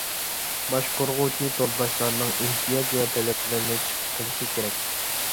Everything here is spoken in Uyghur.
باشقۇرغۇچى تورداشلارنىڭ ئېھتىياج ۋە تەلەپلىرىنى چىقىش قىلىشى كېرەك.